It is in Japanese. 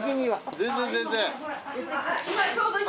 全然全然。